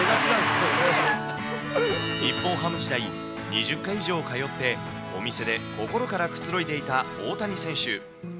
日本ハム時代、２０回以上通って、お店で心からくつろいでいた大谷選手。